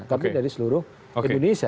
tapi dari seluruh indonesia